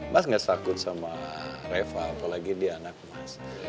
mas gak takut sama reva apalagi dia anak mas